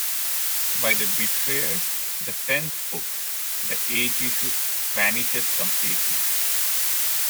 By "The Betrayers", the tenth book, the age issue vanishes completely.